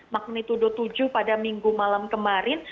magnitudo tujuh pada minggu malam kemarin